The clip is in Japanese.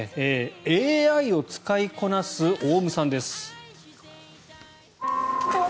ＡＩを使いこなすオウムさんです。